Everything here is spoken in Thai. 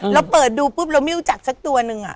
เราเปิดดูปุ๊บเราไม่รู้จักสักตัวนึง